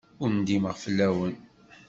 Ur ndimeɣ fell-awen.